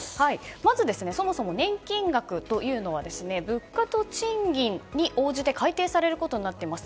まずそもそも年金額というのは物価と賃金に応じて改定されることになっています。